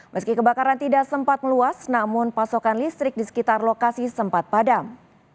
meski kebakaran tidak sempat meluas namun pasokan listrik di sekitar lokasi sempat padam